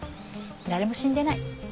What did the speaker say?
誰も死んでない。